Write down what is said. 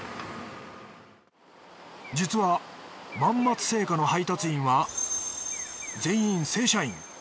実は万松青果の配達員は全員正社員。